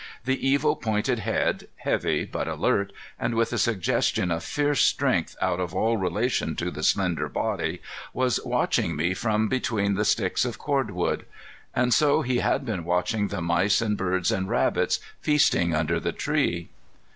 The evil pointed head, heavy but alert, and with a suggestion of fierce strength out of all relation to the slender body, was watching me from between the sticks of cord wood. And so he had been watching the mice and birds and rabbits feasting under the tree!